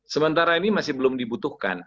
sementara ini masih belum dibutuhkan